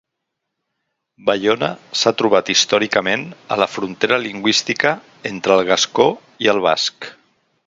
Baiona s'ha trobat històricament a la frontera lingüística entre el gascó i el basc.